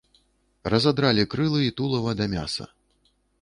Разадралі крылы і тулава да мяса.